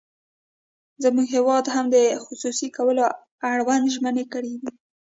زموږ هېواد هم د خصوصي کولو اړوند ژمنې کړې دي.